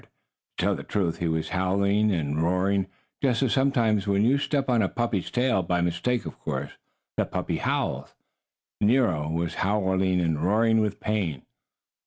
To tell the truth, he was howling and roaring, just as, sometimes, when you step on the puppy's tail, by mistake, of course, the puppy howls. Nero was howling and roaring with pain.